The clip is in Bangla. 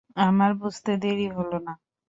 আমার বুঝতে দেরি হল না।